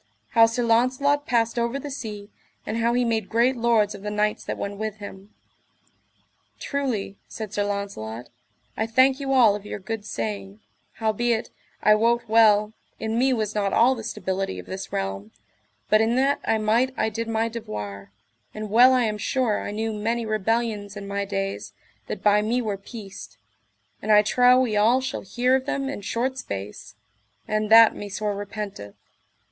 How Sir Launcelot passed over the sea, and how he made great lords of the knights that went with him. Truly, said Sir Launcelot, I thank you all of your good saying, howbeit, I wot well, in me was not all the stability of this realm, but in that I might I did my devoir; and well I am sure I knew many rebellions in my days that by me were peaced, and I trow we all shall hear of them in short space, and that me sore repenteth.